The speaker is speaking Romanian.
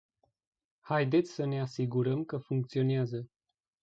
Haideți să ne asigurăm că funcționează.